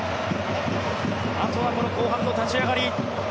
あとは後半の立ち上がり。